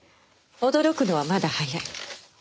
驚くのはまだ早い。